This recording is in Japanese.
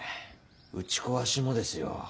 打ち壊しもですよ。